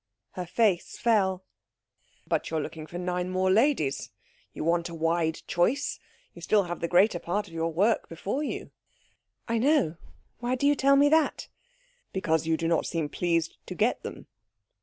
Her face fell. "But you are looking for nine more ladies. You want a wide choice. You have still the greater part of your work before you." "I know. Why do you tell me that?" "Because you do not seem pleased to get them."